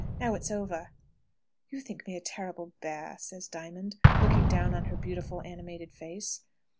Now it's over." "You think me a terrible bear," says Diamond, looking down on her beautiful, animated face.